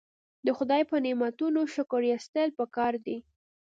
د خدای په نعمتونو شکر ایستل پکار دي.